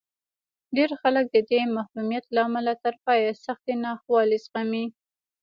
ډېر خلک د دې محرومیت له امله تر پایه سختې ناخوالې زغمي